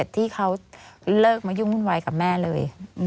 ที่เขาเลิกมายุ่งวุ่นวายกับแม่เลย